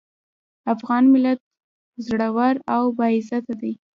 افغان ملت زړور او باعزته دی.